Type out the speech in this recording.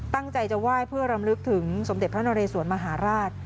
ตั้งใจจะไหว้เพื่อรำลึกถึงสมเด็จพระนเรสวนมหาราช